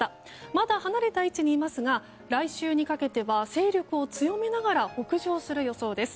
まだ離れた位置にいますが来週にかけては勢力を強めながら北上する予想です。